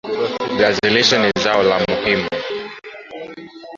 Viazi lishe ni zao muhimu